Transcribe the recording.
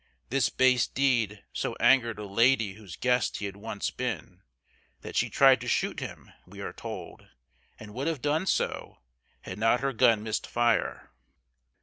This base deed so angered a lady whose guest he had once been, that she tried to shoot him, we are told, and would have done so, had not her gun missed fire.